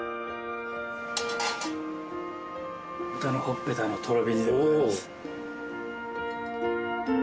豚の頬っぺたのとろ火煮でございます。